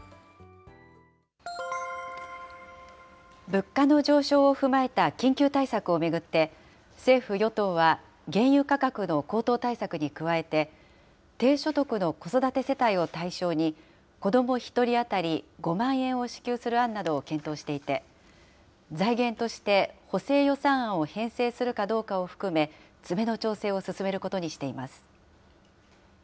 物価の上昇を踏まえた緊急対策を巡って、政府・与党は原油価格の高騰対策に加えて、低所得の子育て世帯を対象に、子ども１人当たり５万円を支給する案などを検討していて、財源として補正予算案を編成するかどうかを含め、詰めの調整を進めることにしています。